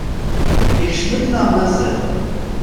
Ikcem-d neɣ mazal?